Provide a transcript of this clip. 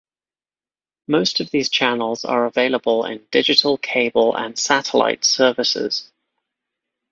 Most of these channels are available in digital cable and satellite services.